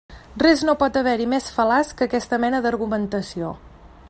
Res no pot haver-hi més fal·laç que aquesta mena d'argumentació.